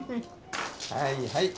はいはい。